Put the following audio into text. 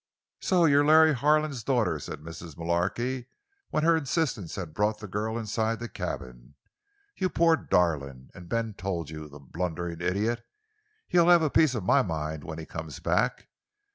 "So you're Larry Harlan's daughter," said Mrs. Mullarky, when her insistence had brought the girl inside the cabin; "you poor darlin'. An' Ben told you—the blunderin' idiot. He'll have a piece of my mind when he comes back!